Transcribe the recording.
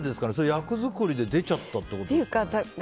役作りで出ちゃったってことですか？